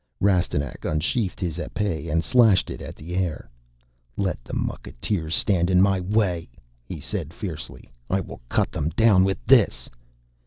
Rastignac unsheathed his épée and slashed it at the air. "Let the mucketeers stand in my way," he said fiercely. "I will cut them down with this!"